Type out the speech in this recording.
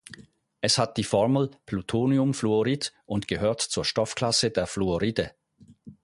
Es hat die Formel PuF und gehört zur Stoffklasse der Fluoride.